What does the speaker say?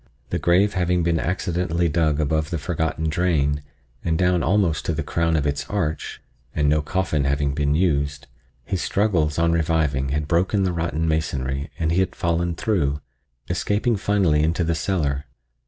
The grave having been accidentally dug above the forgotten drain, and down almost to the crown of its arch, and no coffin having been used, his struggles on reviving had broken the rotten masonry and he had fallen through, escaping finally into the cellar.